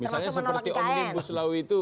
misalnya seperti omnibus law itu